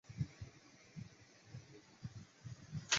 拉埃维努斯和他的罗马舰队之后便在俄里科斯过冬。